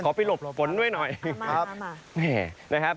ขอไปหลบฝนด้วยหน่อย